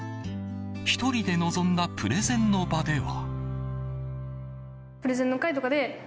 １人で臨んだプレゼンの場では。